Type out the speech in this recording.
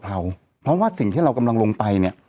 เพราะว่าสิ่งที่เรากำลังลงไปเนี่ย